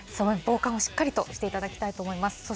防寒をしっかりとしていただきたいと思います。